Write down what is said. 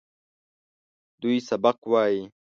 دوی سبق وايي.